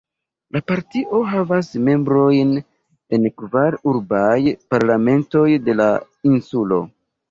La partio havas membrojn en kvar urbaj parlamentoj de la insulo.